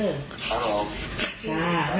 ครับผม